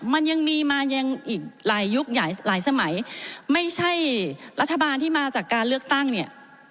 มันยังมีมายังอีกหลายยุคหลายหลายไม่ใช่